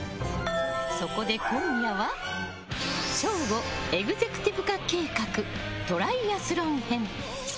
そこで今夜は省吾エグゼクティブ化計画トライアスロン編。